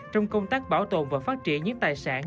trong công tác bảo tồn và phát triển những tài sản